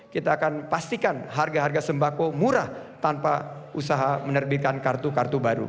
kita akan pastikan harga harga sembako murah tanpa usaha menerbitkan kartu kartu baru